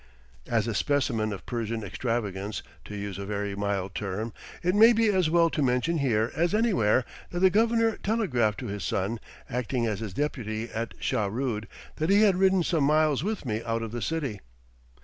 (As a specimen of Persian extravagance to use a very mild term it may be as well to mention here as anywhere, that the Governor telegraphed to his son, acting as his deputy at Shahrood, that he had ridden some miles with me out of the city!)